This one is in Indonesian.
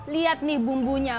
lihat nih bumbunya